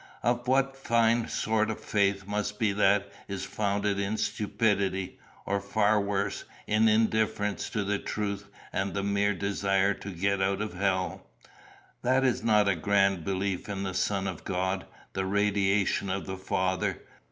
Of what fine sort a faith must be that is founded in stupidity, or far worse, in indifference to the truth and the mere desire to get out of hell! That is not a grand belief in the Son of God, the radiation of the Father.